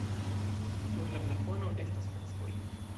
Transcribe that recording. Sur la plafono estas freskoj.